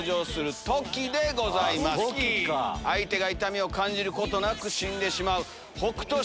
相手が痛みを感じることなく死んでしまう北斗